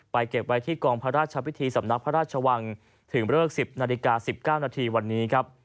เก็บไว้ที่กองพระราชพิธีสำนักพระราชวังถึงเลิก๑๐นาฬิกา๑๙นาทีวันนี้ครับ